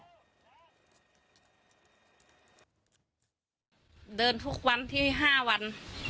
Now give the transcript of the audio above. เดินทุกวันที่๕วัน